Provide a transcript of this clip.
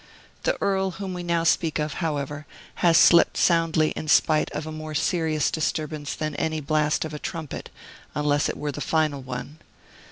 The Earl whom we now speak of, however, has slept soundly in spite of a more serious disturbance than any blast of a trumpet, unless it were the final one.